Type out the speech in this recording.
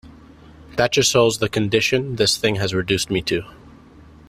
That just shows the condition this thing has reduced me to.